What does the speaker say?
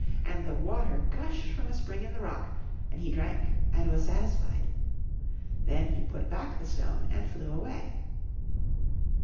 And the water gushed from a spring in the rock and he drank and was satisfied. Then he put back the stone and flew away.